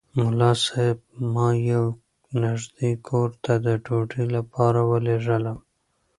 ملا صاحب ما یو نږدې کور ته د ډوډۍ لپاره ولېږلم.